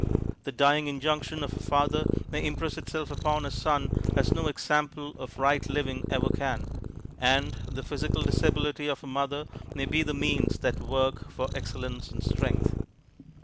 The dying injunction of a father may impress itself upon a son as no example of right living ever can, and the physical disability of a mother may be the means that work for excellence and strength.